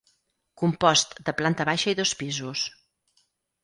Compost de planta baixa i dos pisos.